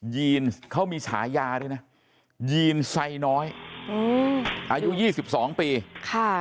ยีนเขามีฉายาด้วยนะยีนไซน้อยอายุ๒๒ปีค่ะ